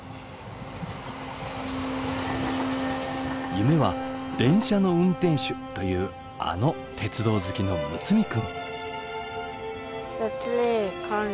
夢は電車の運転手というあの鉄道好きの睦弥君。